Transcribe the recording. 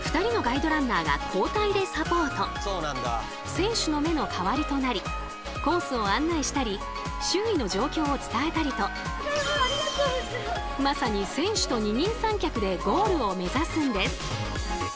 選手の目の代わりとなりコースを案内したり周囲の状況を伝えたりとまさに選手と二人三脚でゴールを目指すんです。